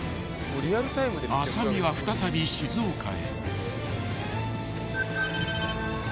［浅見は再び静岡へ］